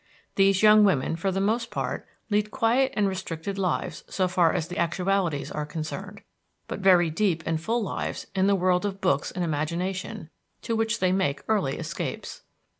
These young women for the most part lead quiet and restricted lives so far as the actualities are concerned, but very deep and full lives in the world of books and imagination, to which they make early escapes.